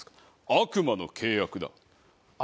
悪魔の契約？